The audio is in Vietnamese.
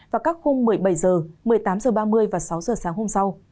vào các khung một mươi bảy h một mươi tám h ba mươi và sáu h sáng hôm sau